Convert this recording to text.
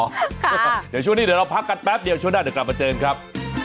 เดี๋ยวช่วงนี้เดี๋ยวเราพักกันแป๊บเดียวช่วงหน้าเดี๋ยวกลับมาเจอกันครับ